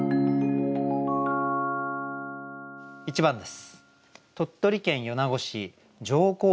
１番です。